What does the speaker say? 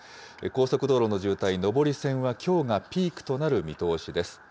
高速道路の渋滞、上り線はきょうがピークとなる見通しです。